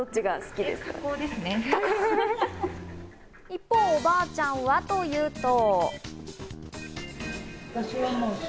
一方、おばあちゃんはというと。